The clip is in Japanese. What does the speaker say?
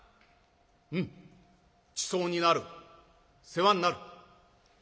「うん。ちそうになる世話になる」。